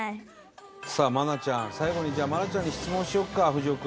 さあ愛菜ちゃん最後に愛菜ちゃんに質問しようかふじお君。